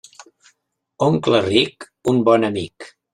Oncle ric, un bon amic.